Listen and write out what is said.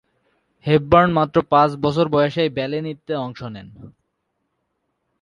Hepburn মাত্র পাঁচ বছর বয়সেই ব্যালে নৃত্যে অংশ নেন।